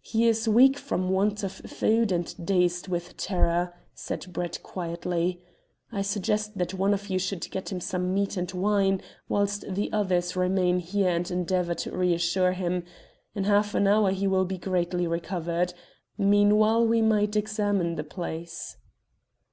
"He is weak from want of food, and dazed with terror," said Brett quietly. "I suggest that one of you should get him some meat and wine, whilst the others remain here and endeavour to reassure him. In half an hour he will be greatly recovered. Meanwhile we might examine the place."